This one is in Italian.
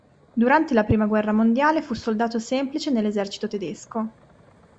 Durante la prima guerra mondiale fu soldato semplice nell'esercito tedesco.